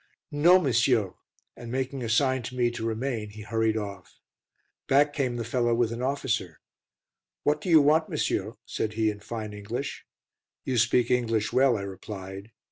"Non, monsieur," and making a sign to me to remain he hurried off. Back came the fellow with an officer. "What do you want, monsieur?" said he in fine English. "You speak English well," I replied.